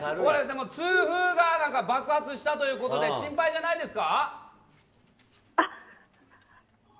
痛風が爆発したということで心配じゃないですか？